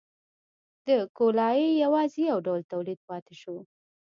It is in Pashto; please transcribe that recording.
د کولالۍ یوازې یو ډول تولید پاتې شو